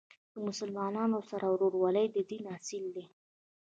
د مسلمانانو سره ورورولۍ د دین اصل دی.